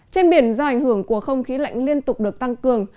trên biển do ảnh hưởng của không khí lạnh liên tục được tăng cường